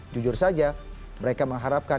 jujur saja mereka mengharapkan